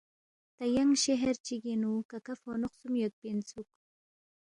تا ینگ شہر چِگِنگ نُو ککا فونو خسوم یودپی اِنسُوک